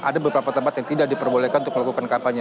ada beberapa tempat yang tidak diperbolehkan untuk melakukan kampanye